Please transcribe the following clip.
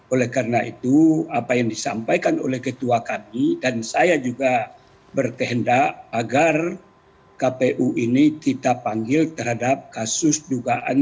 oleh karena itu apa yang disampaikan oleh ketua kami dan saya juga berkehendak agar kpu ini kita panggil terhadap kasus dugaan